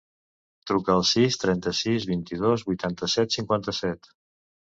Truca al sis, trenta-sis, vint-i-dos, vuitanta-set, cinquanta-set.